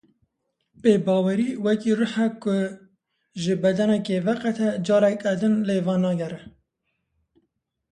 Pêbawerî wekî ruh e ku ji bedenekê veqete careke din lê venagere.